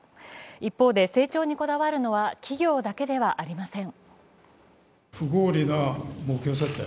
一方で、成長にこだわるのは企業だけではありません。